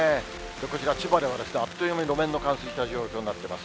こちら千葉では、あっという間に路面が冠水した状況になっています。